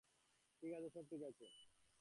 ঠিক আছে, সব ঠিক আছে।